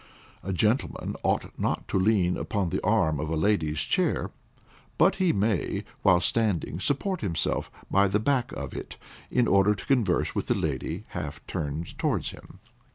A gentleman ought not to lean upon the arm of a lady's chair, but he may, while standing, support himself by the back of it, in order to converse with the lady half turned towards him.